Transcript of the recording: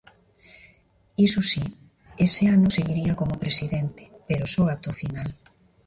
Iso si, ese ano seguiría como presidente, pero só ata o final.